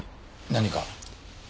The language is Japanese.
何か？